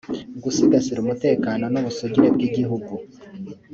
gusigasira umutekano n’ubusugire bw’igihugu